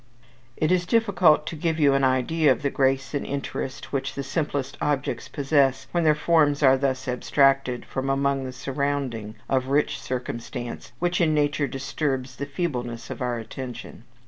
It is difficult to give you an idea of the grace and interest which the simplest objects possess when their forms are thus abstracted from among the surrounding of rich circumstance which in nature disturbs the feebleness of our attention.